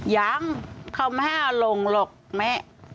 อย่างเขาไม่ให้เอาลงหรอกแม่